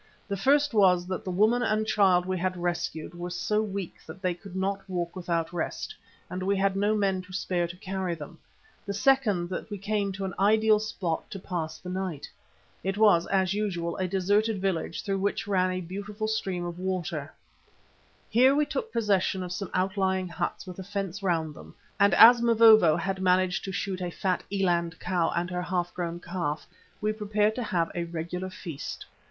The first was that the woman and child we had rescued were so weak they could not walk without rest, and we had no men to spare to carry them; the second that we came to an ideal spot to pass the night. It was, as usual, a deserted village through which ran a beautiful stream of water. Here we took possession of some outlying huts with a fence round them, and as Mavovo had managed to shoot a fat eland cow and her half grown calf, we prepared to have a regular feast.